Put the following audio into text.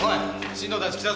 進藤たち来たぞ。